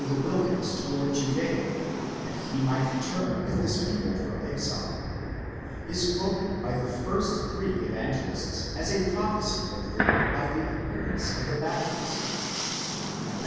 231 the wilderness toward Judea, that he might return with his people from exile, is quoted by the first three Evangelists as a prophecy fulfilled by the appear ance of the Baptist (Matt.